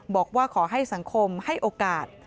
บอกว่าขอให้สังคมให้โอกาส